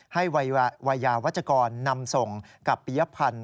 ให้วัยยาวัชกรนำส่งกับปียพันธ์